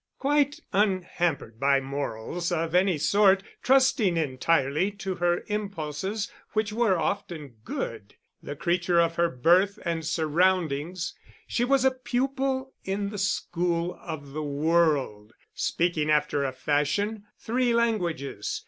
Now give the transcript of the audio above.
Quite unhampered by morals of any sort, trusting entirely to her impulses, which were often good, the creature of her birth and surroundings, she was a pupil in the school of the world, speaking, after a fashion, three languages.